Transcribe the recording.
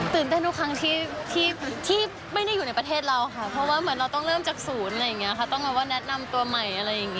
ตื่นเต้นทุกครั้งที่ไม่ได้อยู่ในประเทศเราค่ะเพราะว่าเราต้องเริ่มจากศูนย์ต้องแนะนำตัวใหม่